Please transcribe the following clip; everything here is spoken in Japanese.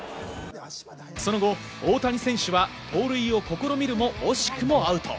その後、大谷選手は盗塁を試みるも惜しくもアウト。